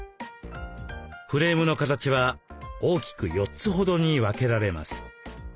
フレームの形は大きく４つほどに分けられます。